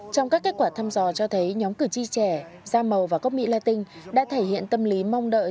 trong các kết quả thăm dò cho thấy nhóm cử tri trẻ da màu và gốc mỹ latin đã thể hiện tâm lý mong đợi